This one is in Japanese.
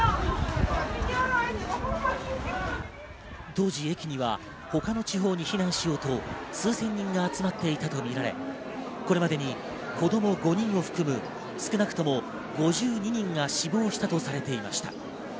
当時、駅には他の地方に避難しようと数千人が集まっていたとみられ、これまでに子供５人を含む少なくとも５２人が死亡したとされていました。